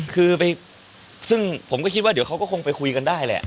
คือไปซึ่งผมก็คิดว่าเดี๋ยวเขาก็คงไปคุยกันได้แหละ